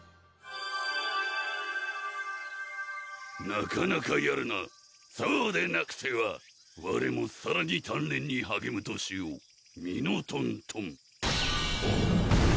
なかなかやるなそうでなくてはわれもさらに鍛錬にはげむとしようミノトントン！